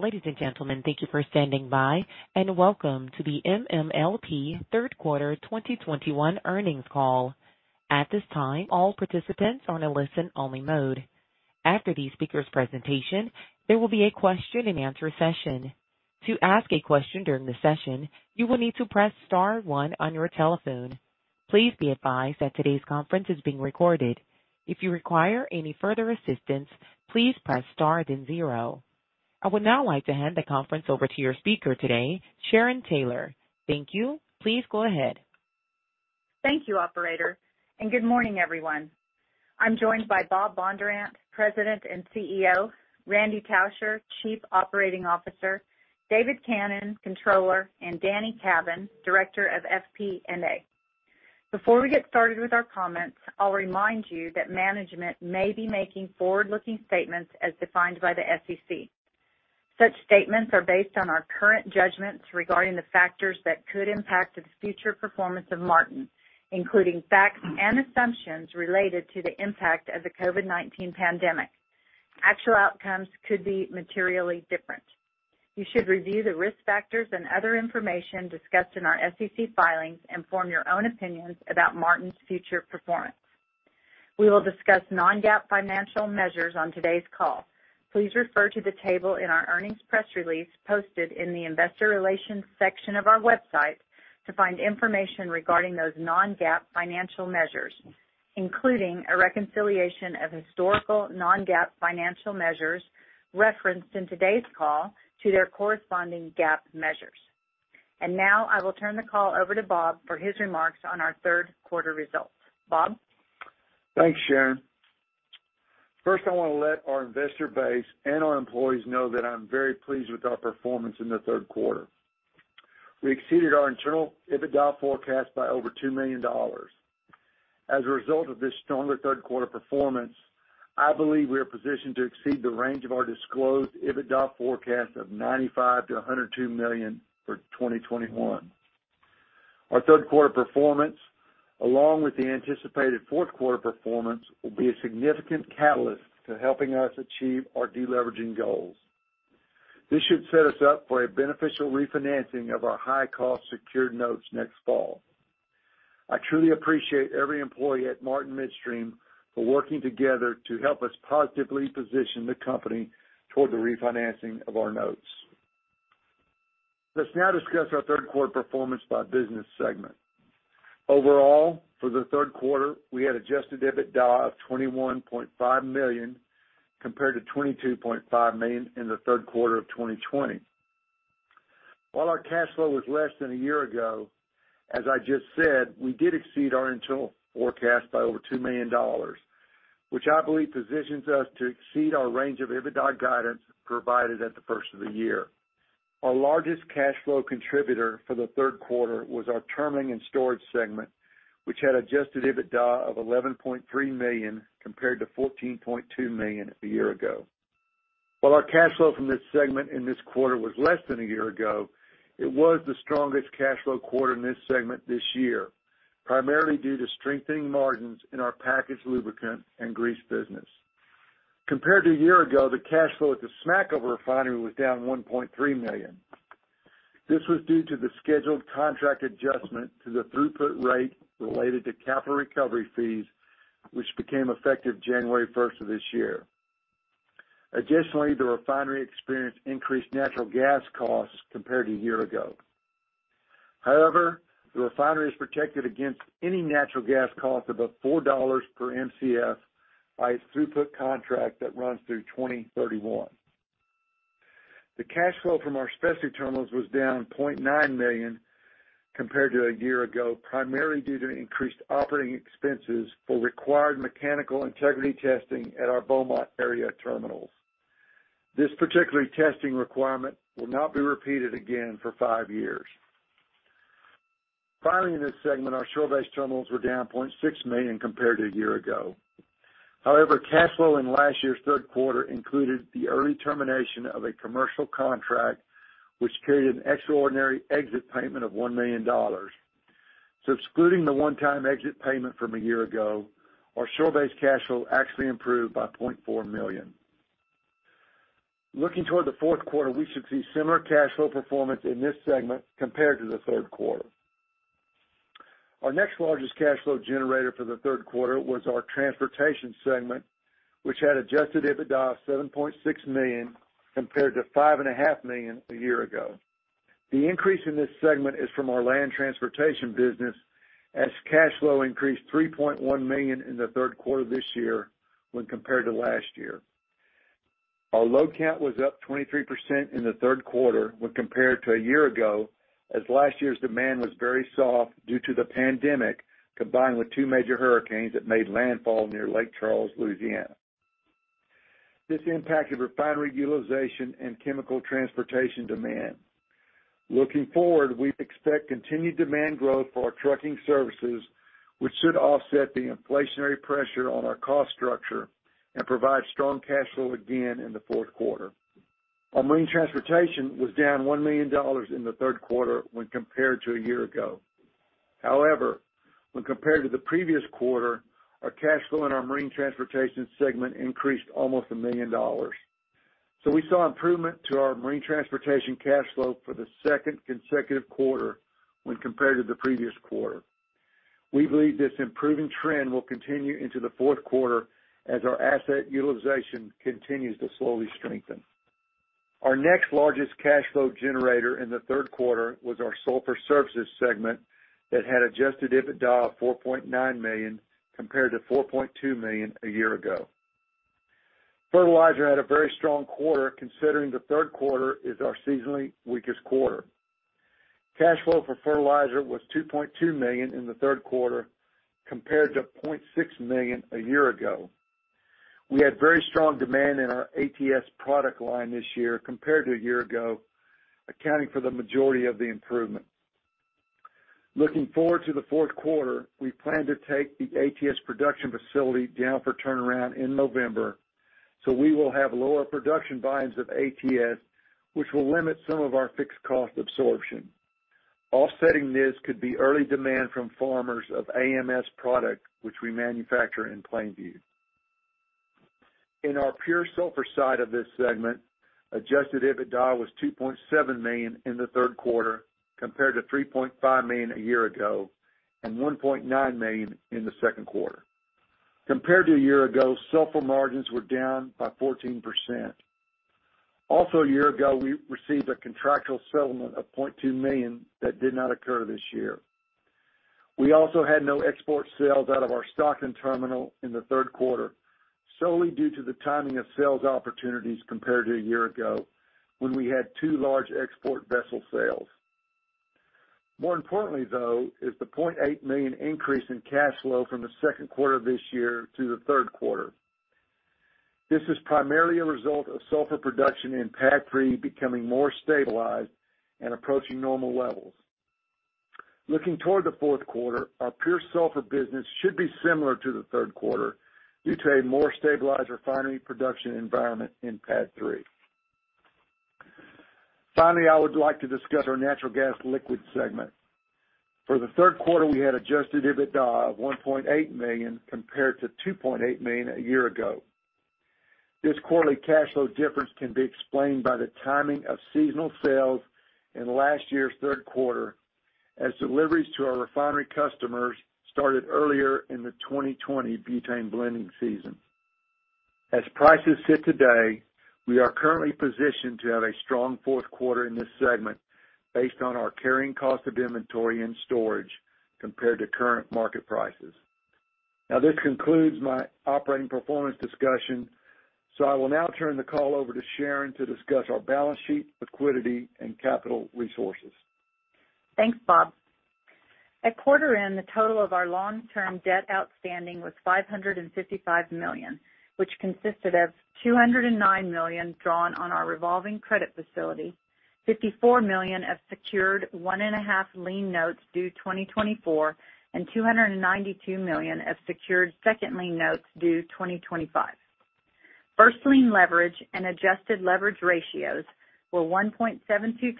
Ladies and gentlemen, thank you for standing by, and welcome to the MMLP third quarter 2021 earnings call. At this time, all participants are on a listen-only mode. After the speaker's presentation, there will be a question-and-answer session. To ask a question during the session, you will need to press star one on your telephone. Please be advised that today's conference is being recorded. If you require any further assistance, please press star then zero. I would now like to hand the conference over to your speaker today, Sharon Taylor. Thank you. Please go ahead. Thank you, operator, and good morning, everyone. I'm joined by Bob Bondurant, President and CEO, Randy Tauscher, Chief Operating Officer, David Cannon, Controller, and Danny Cavin, Director of FP&A. Before we get started with our comments, I'll remind you that management may be making forward-looking statements as defined by the SEC. Such statements are based on our current judgments regarding the factors that could impact the future performance of Martin, including facts and assumptions related to the impact of the COVID-19 pandemic. Actual outcomes could be materially different. You should review the risk factors and other information discussed in our SEC filings and form your own opinions about Martin's future performance. We will discuss non-GAAP financial measures on today's call. Please refer to the table in our earnings press release posted in the investor relations section of our website to find information regarding those non-GAAP financial measures, including a reconciliation of historical non-GAAP financial measures referenced in today's call to their corresponding GAAP measures. Now, I will turn the call over to Bob for his remarks on our third quarter results. Bob? Thanks, Sharon. First, I want to let our investor base and our employees know that I'm very pleased with our performance in the third quarter. We exceeded our internal EBITDA forecast by over $2 million. As a result of this stronger third quarter performance, I believe we are positioned to exceed the range of our disclosed EBITDA forecast of $95 million-$102 million for 2021. Our third quarter performance, along with the anticipated fourth quarter performance, will be a significant catalyst to helping us achieve our de-leveraging goals. This should set us up for a beneficial refinancing of our high-cost secured notes next fall. I truly appreciate every employee at Martin Midstream for working together to help us positively position the company toward the refinancing of our notes. Let's now discuss our third quarter performance by business segment. Overall, for the third quarter, we had adjusted EBITDA of $21.5 million compared to $22.5 million in the third quarter of 2020. While our cash flow was less than a year ago, as I just said, we did exceed our internal forecast by over $2 million, which I believe positions us to exceed our range of EBITDA guidance provided at the first of the year. Our largest cash flow contributor for the third quarter was our Terminalling and Storage segment, which had adjusted EBITDA of $11.3 million compared to $14.2 million a year ago. While our cash flow from this segment in this quarter was less than a year ago, it was the strongest cash flow quarter in this segment this year, primarily due to strengthening margins in our packaged lubricant and grease business. Compared to a year ago, the cash flow at the Smackover refinery was down $1.3 million. This was due to the scheduled contract adjustment to the throughput rate related to capital recovery fees, which became effective January 1st of this year. Additionally, the refinery experienced increased natural gas costs compared to a year ago. However, the refinery is protected against any natural gas cost above $4 per Mcf by its throughput contract that runs through 2031. The cash flow from our specialty terminals was down $0.9 million compared to a year ago, primarily due to increased operating expenses for required mechanical integrity testing at our Beaumont area terminals. This particular testing requirement will not be repeated again for 5 years. Finally, in this segment, our shore-based terminals were down $0.6 million compared to a year ago. However, cash flow in last year's third quarter included the early termination of a commercial contract, which carried an extraordinary exit payment of $1 million. Excluding the one-time exit payment from a year ago, our shore-based cash flow actually improved by $0.4 million. Looking toward the fourth quarter, we should see similar cash flow performance in this segment compared to the third quarter. Our next largest cash flow generator for the third quarter was our transportation segment, which had adjusted EBITDA of $7.6 million compared to five and a half million a year ago. The increase in this segment is from our land transportation business, as cash flow increased $3.1 million in the third quarter this year when compared to last year. Our load count was up 23% in the third quarter when compared to a year ago, as last year's demand was very soft due to the pandemic, combined with two major hurricanes that made landfall near Lake Charles, Louisiana. This impacted refinery utilization and chemical transportation demand. Looking forward, we expect continued demand growth for our trucking services, which should offset the inflationary pressure on our cost structure and provide strong cash flow again in the fourth quarter. Our marine transportation was down $1 million in the third quarter when compared to a year ago. However, when compared to the previous quarter, our cash flow in our marine transportation segment increased almost $1 million. We saw improvement to our marine transportation cash flow for the second consecutive quarter when compared to the previous quarter. We believe this improving trend will continue into the fourth quarter as our asset utilization continues to slowly strengthen. Our next largest cash flow generator in the third quarter was our sulfur services segment that had adjusted EBITDA of $4.9 million compared to $4.2 million a year ago. Fertilizer had a very strong quarter considering the third quarter is our seasonally weakest quarter. Cash flow for fertilizer was $2.2 million in the third quarter compared to $0.6 million a year ago. We had very strong demand in our ATS product line this year compared to a year ago, accounting for the majority of the improvement. Looking forward to the fourth quarter, we plan to take the ATS production facility down for turnaround in November, so we will have lower production volumes of ATS, which will limit some of our fixed cost absorption. Offsetting this could be early demand from farmers of AMS product, which we manufacture in Plainview. In our pure sulfur side of this segment, adjusted EBITDA was $2.7 million in the third quarter, compared to $3.5 million a year ago and $1.9 million in the second quarter. Compared to a year ago, sulfur margins were down by 14%. Also, a year ago, we received a contractual settlement of $0.2 million that did not occur this year. We also had no export sales out of our Stockton terminal in the third quarter, solely due to the timing of sales opportunities compared to a year ago when we had two large export vessel sales. More importantly, though, is the $0.8 million increase in cash flow from the second quarter of this year to the third quarter. This is primarily a result of sulfur production in PADD III becoming more stabilized and approaching normal levels. Looking toward the fourth quarter, our pure sulfur business should be similar to the third quarter due to a more stabilized refinery production environment in PADD III. Finally, I would like to discuss our natural gas liquids segment. For the third quarter, we had adjusted EBITDA of $1.8 million compared to $2.8 million a year ago. This quarterly cash flow difference can be explained by the timing of seasonal sales in last year's third quarter as deliveries to our refinery customers started earlier in the 2020 butane blending season. As prices sit today, we are currently positioned to have a strong fourth quarter in this segment based on our carrying cost of inventory and storage compared to current market prices. This concludes my operating performance discussion. I will now turn the call over to Sharon to discuss our balance sheet, liquidity, and capital resources. Thanks, Bob. At quarter end, the total of our long-term debt outstanding was $555 million, which consisted of $209 million drawn on our revolving credit facility, $54 million of secured one and a half lien notes due 2024, and $292 million of secured second lien notes due 2025. First lien leverage and adjusted leverage ratios were 1.72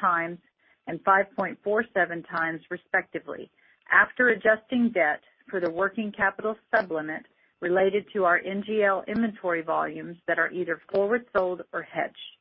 times and 5.47 times respectively. After adjusting debt for the working capital supplement related to our NGL inventory volumes that are either forward sold or hedged.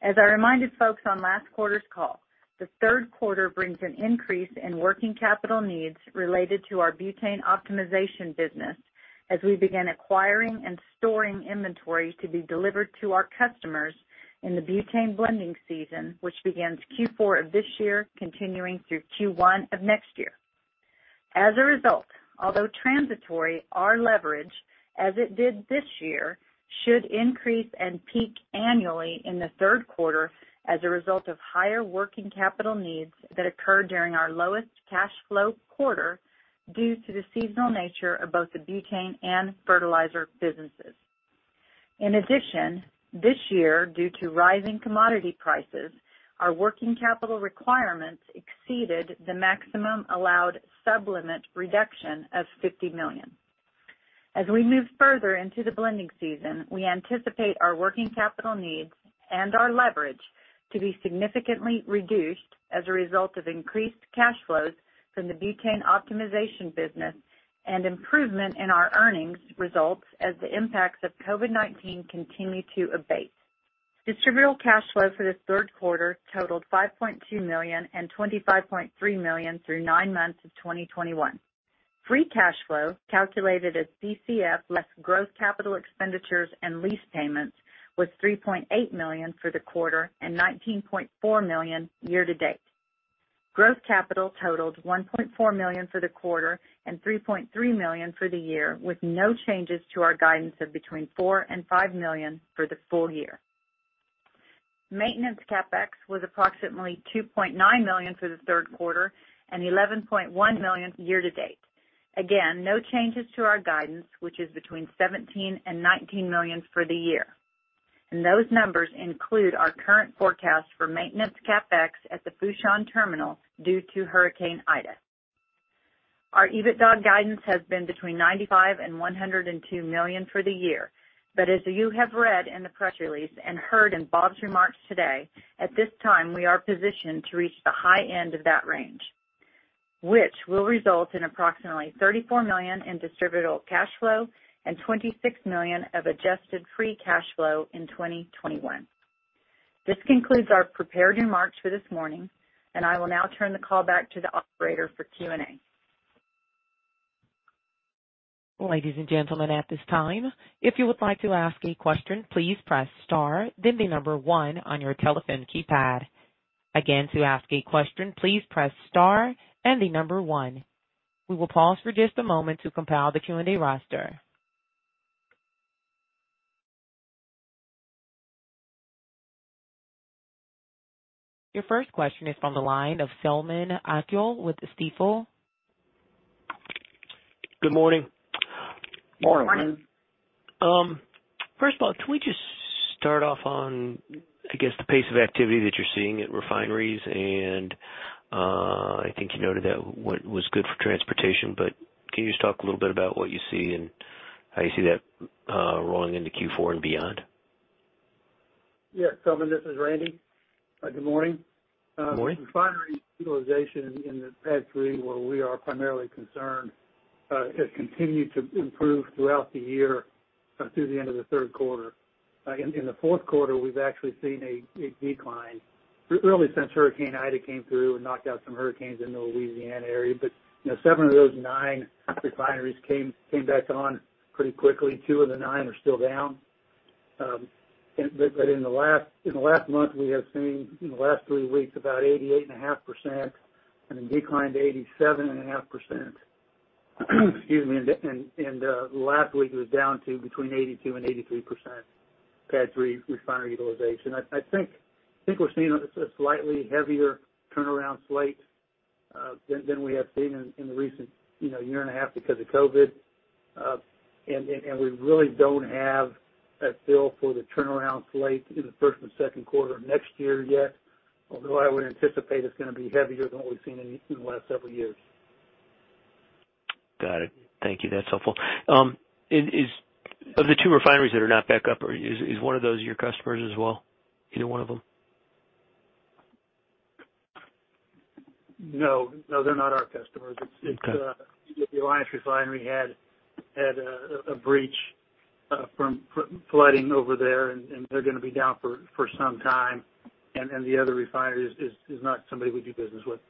As I reminded folks on last quarter's call, the third quarter brings an increase in working capital needs related to our butane optimization business as we begin acquiring and storing inventory to be delivered to our customers in the butane blending season, which begins Q4 of this year, continuing through Q1 of next year. As a result, although transitory, our leverage, as it did this year, should increase and peak annually in the third quarter as a result of higher working capital needs that occur during our lowest cash flow quarter due to the seasonal nature of both the butane and fertilizer businesses. This year, due to rising commodity prices, our working capital requirements exceeded the maximum allowed supplement reduction of $50 million. As we move further into the blending season, we anticipate our working capital needs and our leverage to be significantly reduced as a result of increased cash flows from the butane optimization business and improvement in our earnings results as the impacts of COVID-19 continue to abate. Distributable cash flow for the third quarter totaled $5.2 million and $25.3 million through 9 months of 2021. Free cash flow, calculated as DCF less gross capital expenditures and lease payments, was $3.8 million for the quarter and $19.4 million year to date. Gross capital totaled $1.4 million for the quarter and $3.3 million for the year, with no changes to our guidance of between $4 million and $5 million for the full year. Maintenance CapEx was approximately $2.9 million for the third quarter and $11.1 million year to date. Again, no changes to our guidance, which is between $17 million and $19 million for the year. Those numbers include our current forecast for maintenance CapEx at the Fourchon terminal due to Hurricane Ida. Our EBITDA guidance has been between $95 million and $102 million for the year, but as you have read in the press release and heard in Bob's remarks today, at this time, we are positioned to reach the high end of that range. Which will result in approximately $34 million in distributable cash flow and $26 million of adjusted free cash flow in 2021. This concludes our prepared remarks for this morning. I will now turn the call back to the operator for Q&A. Ladies and gentlemen, at this time, if you would like to ask a question, please press star, then the number one on your telephone keypad. Again, to ask a question, please press star and the number one. We will pause for just a moment to compile the Q&A roster. Your first question is from the line of Selman Akyol with Stifel. Good morning. Morning. First of all, can we just start off on, I guess, the pace of activity that you're seeing at refineries? I think you noted that what was good for transportation, but can you just talk a little bit about what you see and how you see that rolling into Q4 and beyond? Yes. Selman, this is Randy. Good morning. Morning. Refinery utilization in the PADD 3 where we are primarily concerned, has continued to improve throughout the year through the end of the third quarter. In the fourth quarter, we've actually seen a decline. Really since Hurricane Ida came through and knocked out some refineries in the Louisiana area. Seven of those nine refineries came back on pretty quickly. Two of the nine are still down. In the last month we have seen, in the last 3 weeks, about 88.5% and then declined to 87.5%. Excuse me. Last week it was down to between 82% and 83% PADD 3 refinery utilization. I think we're seeing a slightly heavier turnaround slate than we have seen in the recent year and a half because of COVID. We really don't have a feel for the turnaround slate in the first and second quarter of next year yet, although I would anticipate it's going to be heavier than what we've seen in the last several years. Got it. Thank you. That's helpful. Of the two refineries that are not back up, is one of those your customers as well? Either one of them? No. They're not our customers. Okay. The Alliance Refinery had a breach from flooding over there, and they're going to be down for some time. The other refinery is not somebody we do business with.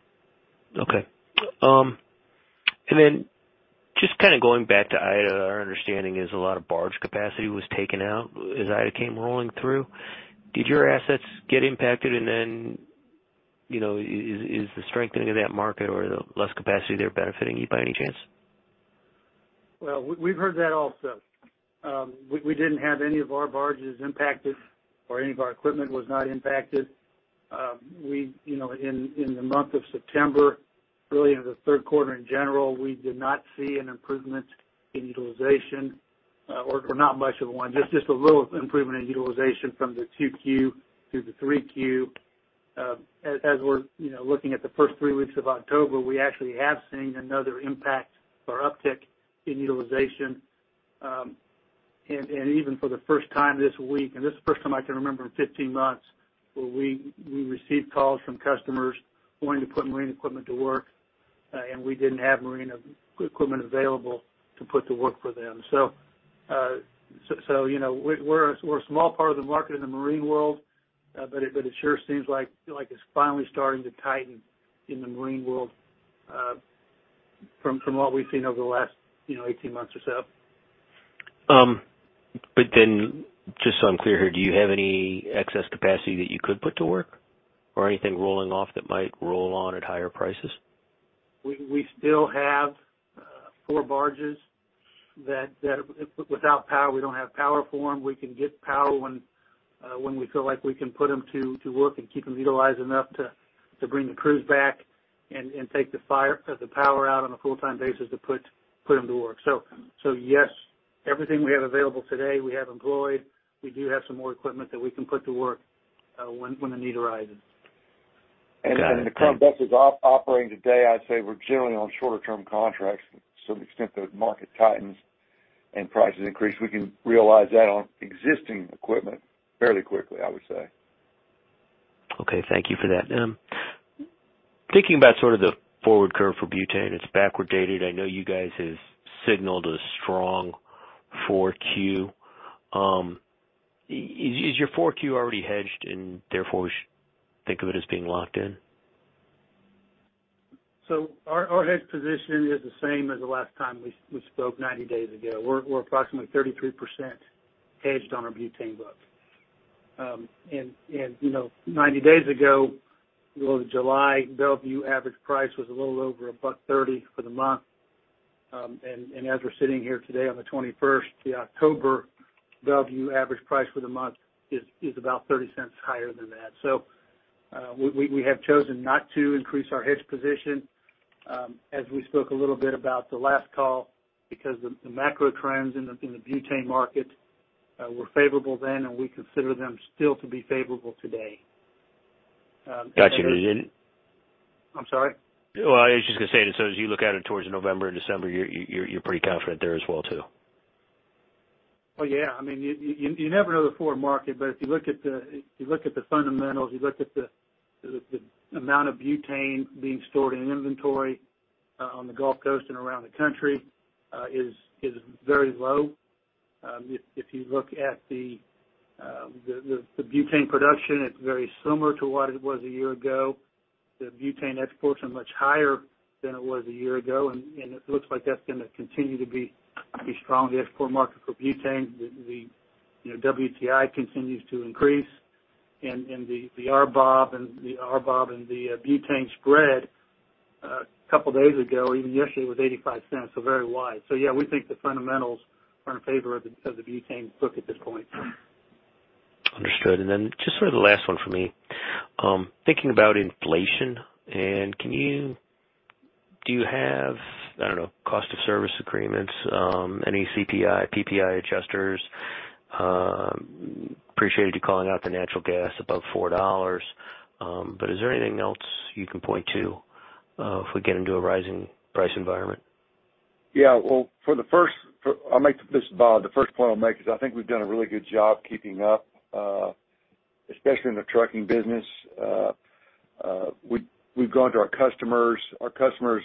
Okay. Just kind of going back to Ida. Our understanding is a lot of barge capacity was taken out as Ida came rolling through. Did your assets get impacted? Is the strengthening of that market or the less capacity there benefiting you by any chance? Well, we've heard that also. We didn't have any of our barges impacted or any of our equipment was not impacted. In the month of September, really into the third quarter in general, we did not see an improvement in utilization or not much of one. Just a little improvement in utilization from the Q2 through the Q3. As we're looking at the first 3 weeks of October, we actually have seen another impact or uptick in utilization. Even for the first time this week, and this is the first time I can remember in 15 months, where we received calls from customers wanting to put marine equipment to work, and we didn't have marine equipment available to put to work for them. We're a small part of the market in the marine world, but it sure seems like it's finally starting to tighten in the marine world, from what we've seen over the last 18 months or so. Just so I'm clear here, do you have any excess capacity that you could put to work or anything rolling off that might roll on at higher prices? We still have four barges that without power, we don't have power for them. We can get power when we feel like we can put them to work and keep them utilized enough to bring the crews back and take the power out on a full-time basis to put them to work. Yes, everything we have available today, we have employed. We do have some more equipment that we can put to work when the need arises. Got it. The current vessels operating today, I'd say we're generally on shorter term contracts. To the extent the market tightens and prices increase, we can realize that on existing equipment fairly quickly, I would say. Okay. Thank you for that. Thinking about sort of the forward curve for butane, it's backwardated. I know you guys have signaled a strong 4Q. Is your 4Q already hedged and therefore we should think of it as being locked in? Our hedge position is the same as the last time we spoke 90 days ago. We're approximately 33% hedged on our butane book. 90 days ago, July Belvieu average price was a little over $1.30 for the month. As we're sitting here today on the 21st, the October Belvieu average price for the month is about $0.30 higher than that. We have chosen not to increase our hedge position. As we spoke a little bit about the last call, because the macro trends in the butane market were favorable then, and we consider them still to be favorable today. Got you. I'm sorry? I was just going to say that so as you look out towards November and December, you're pretty confident there as well, too. Well, yeah. You never know the forward market, but if you look at the fundamentals, you look at the amount of butane being stored in inventory on the Gulf Coast and around the country, is very low. If you look at the butane production, it's very similar to what it was a year ago. The butane exports are much higher than it was a year ago, and it looks like that's going to continue to be a strong export market for butane. The WTI continues to increase, and the RBOB and the butane spread, a couple of days ago, even yesterday, was $0.85, so very wide. Yeah, we think the fundamentals are in favor of the butane book at this point. Understood. Just sort of the last one for me. Thinking about inflation and do you have, I don't know, cost of service agreements, any CPI, PPI adjusters? Appreciated you calling out the natural gas above $4. Is there anything else you can point to if we get into a rising price environment? Yeah. Well, this is Bob. The first point I'll make is I think we've done a really good job keeping up, especially in the trucking business. We've gone to our customers. Our customers,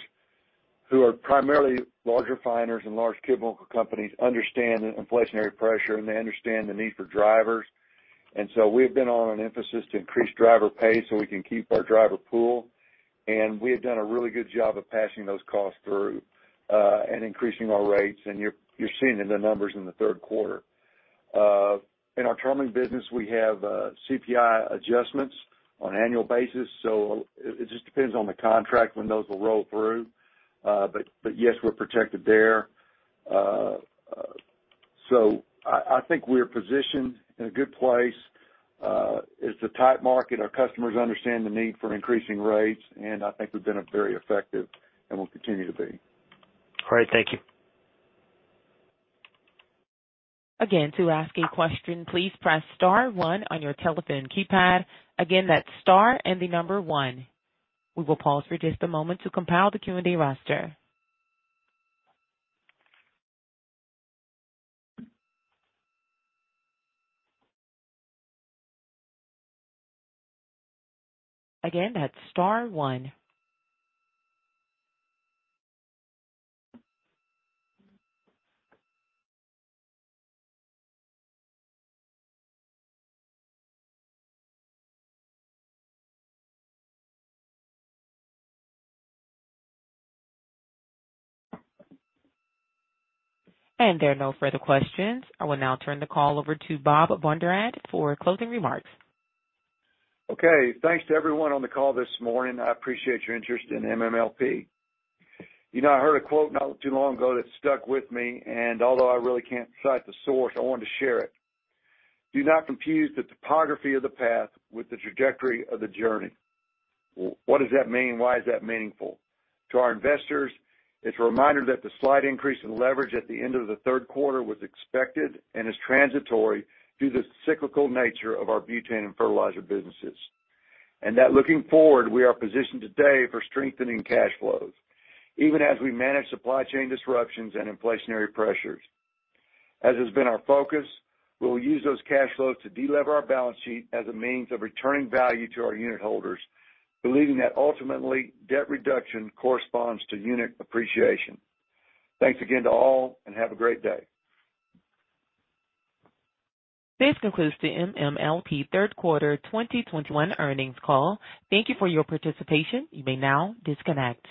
who are primarily large refiners and large chemical companies, understand the inflationary pressure, and they understand the need for drivers. We've been on an emphasis to increase driver pay so we can keep our driver pool. We have done a really good job of passing those costs through, and increasing our rates, and you're seeing it in the numbers in the third quarter. In our terminal business, we have CPI adjustments on an annual basis, so it just depends on the contract when those will roll through. Yes, we're protected there. I think we're positioned in a good place. It's a tight market. Our customers understand the need for increasing rates, and I think we've been very effective and will continue to be. Great. Thank you. Again, to ask a question, please press star 1 on your telephone keypad. Again, that's star and the number 1. We will pause for just a moment to compile the Q&A roster. Again, that's star 1. There are no further questions. I will now turn the call over to Bob Bondurant for closing remarks. Okay. Thanks to everyone on the call this morning. I appreciate your interest in MMLP. I heard a quote not too long ago that stuck with me, and although I really can't cite the source, I wanted to share it. "Do not confuse the topography of the path with the trajectory of the journey." What does that mean? Why is that meaningful? To our investors, it's a reminder that the slight increase in leverage at the end of the third quarter was expected and is transitory due to the cyclical nature of our butane and fertilizer businesses. That looking forward, we are positioned today for strengthening cash flows, even as we manage supply chain disruptions and inflationary pressures. As has been our focus, we will use those cash flows to de-lever our balance sheet as a means of returning value to our unit holders, believing that ultimately debt reduction corresponds to unit appreciation. Thanks again to all and have a great day. This concludes the MMLP third quarter 2021 earnings call. Thank you for your participation. You may now disconnect.